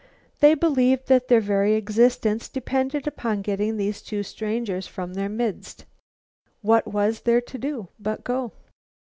They believed that their very existence depended upon getting these two strangers from their midst. What was there to do but go?